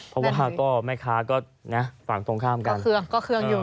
เพราะว่าก็แม่ค้าก็นะฝั่งตรงข้ามกันเครื่องก็เครื่องอยู่